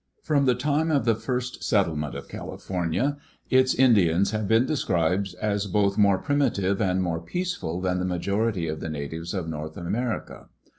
From the time of the first settlement of California, its Indians have been described as both more primitive and more peaceful than the majority of the natives of North America.